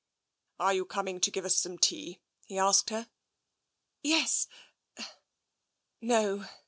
" Are you coming to give us some tea ?" he asked her. " Yes — No.